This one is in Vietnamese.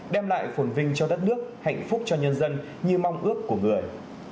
đem lại phồn vinh cho đất nước hạnh phúc cho nhân dân như mong ước của người